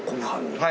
はい。